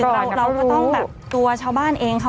กรมป้องกันแล้วก็บรรเทาสาธารณภัยนะคะ